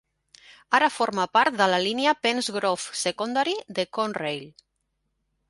Ara forma part de la línia Penns Grove Secondary de Conrail.